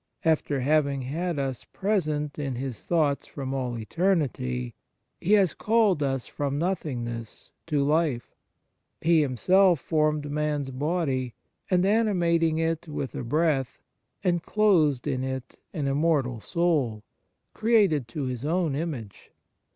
After having had us present in His thoughts from all eternity, He has called us from nothingness to life. He Himself formed man s body, and, animating it with a breath, enclosed in it an immortal soul, created to His own image.